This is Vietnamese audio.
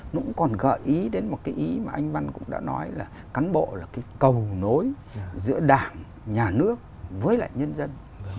nó cũng còn gợi ý đến một cái ý mà anh văn cũng đã nói là cán bộ là cái cầu nối giữa đảng nhà nước với lại nhân dân